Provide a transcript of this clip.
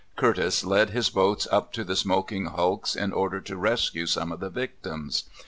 Curtis led his boats up to the smoking hulks in order to rescue some of the victims.